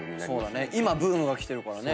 今ブームが来てるからね